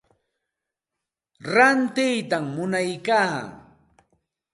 Rantiytam munaya.